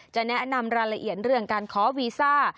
จะแนะนำรายละเอียดเรื่องการขอวีซ่า